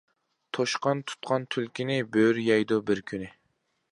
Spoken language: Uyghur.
توشقان تۇتقان تۈلكىنى، بۆرە يەيدۇ بىر كۈنى.